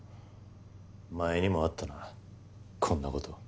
前にもあったなこんな事。